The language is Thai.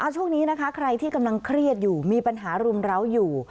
ช่วงนี้นะคะใครที่กำลังเครียดอยู่มีปัญหารุมร้าวอยู่